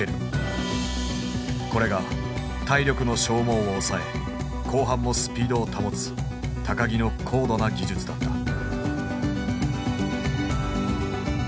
これが体力の消耗を抑え後半もスピードを保つ木の高度な技術だった。